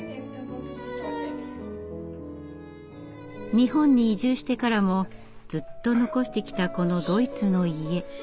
日本に移住してからもずっと残してきたこのドイツの家。